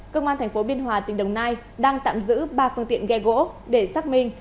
công an tp biên hòa tỉnh đồng nai đang tạm giữ ba phương tiện ghe gỗ để xác minh